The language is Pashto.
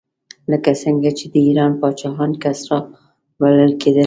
لکه څنګه چې د ایران پاچاهان کسرا بلل کېدل.